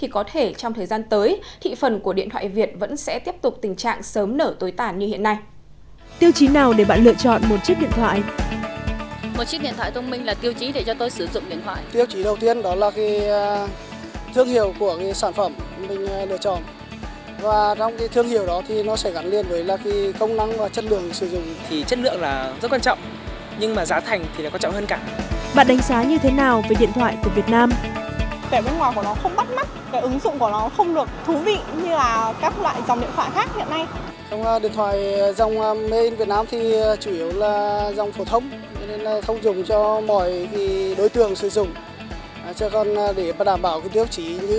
chứ còn để đảm bảo cái tiêu chí như là các cái tiêu hiệu khác thì nó chưa đạt được